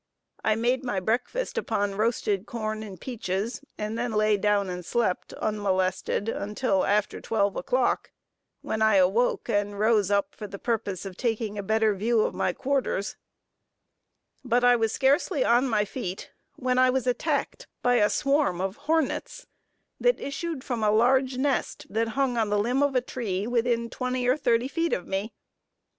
I made my breakfast upon roasted corn and peaches, and then lay down and slept, unmolested, until after twelve o'clock, when I awoke and rose up for the purpose of taking a better view of my quarters; but I was scarcely on my feet, when I was attacked by a swarm of hornets, that issued from a large nest that hung on the limb of a tree, within twenty or thirty feet of me.